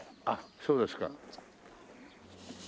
あっそうですか。